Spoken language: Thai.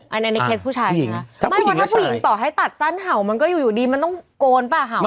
อันนั้นในเคสผู้ชายใช่ไหม